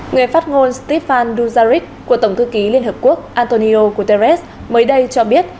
người phát ngôn stefan duzarik của tổng thư ký liên hợp quốc antonio guterres mới đây cho biết